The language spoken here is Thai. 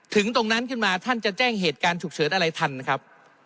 ถึงตรงนั้นขึ้นมาท่านจะแจ้งเหตุการณ์ฉุกเฉินอะไรทันครับ